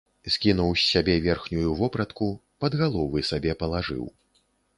Скінуў з сябе верхнюю вопратку, пад галовы сабе палажыў.